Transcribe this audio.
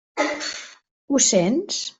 Ho sents?